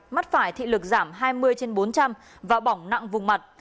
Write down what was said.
mắt phải thị lực giảm hai mươi trên bốn trăm linh và bỏng nặng vùng mặt